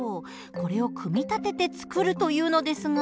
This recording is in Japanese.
これを組み立てて作るというのですが。